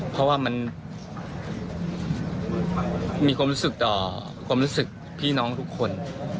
เพราะว่ามันมีความรู้สึกต่อความรู้สึกพี่น้องทุกคน